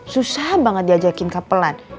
susah banget diajakin couplean